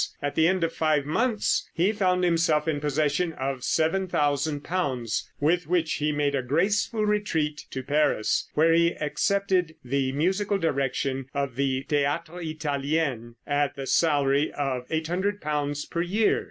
At the end of five months he found himself in possession of £7,000, with which he made a graceful retreat to Paris, where he accepted the musical direction of the Théatre Italienne, at the salary of £800 per year.